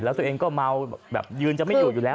แล้วตัวเองก็เมาแบบยืนจะไม่อยู่อยู่แล้ว